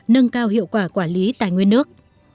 nâng cao hiệu quả quản lý tài nguyên nước